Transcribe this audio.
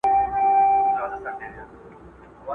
پر لمن د کوه طور به بیرغ پورته د موسی سي!!